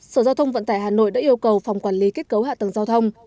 sở giao thông vận tải hà nội đã yêu cầu phòng quản lý kết cấu hạ tầng giao thông